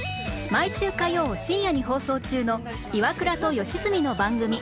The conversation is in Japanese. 毎週火曜深夜に放送中の『イワクラと吉住の番組』